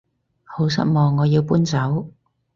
好失望我要搬走